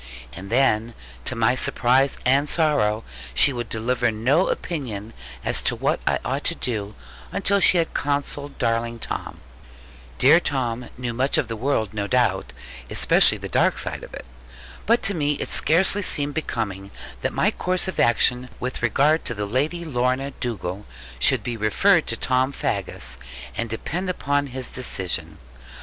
And then, to my surprise and sorrow, she would deliver no opinion as to what I ought to do until she had consulted darling Tom. Dear Tom knew much of the world, no doubt, especially the dark side of it. But to me it scarcely seemed becoming that my course of action with regard to the Lady Lorna Dugal should be referred to Tom Faggus, and depend upon his decision.